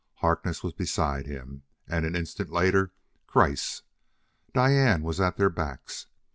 Harkness was beside him, and an instant later, Kreiss; Diane was at their backs.